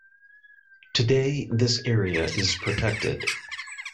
Today this area is protected.